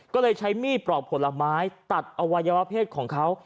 ก็เลยใช้มีดปลอกผลไม้ตัดอวัยวะเพศของเขา